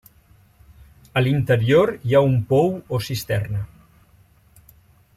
A l'interior hi ha un pou o cisterna.